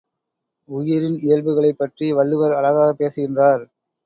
உயிரின் இயல்புகளைப் பற்றி வள்ளுவர் அழகாகப் பேசுகின்றார்.